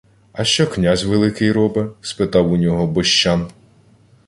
— А що князь Великий робе? — спитав у нього Бощан.